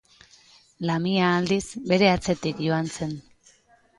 Lamia aldiz bere atzetik joan zen.